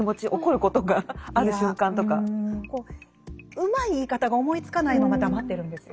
うまい言い方が思いつかないまま黙ってるんですよ。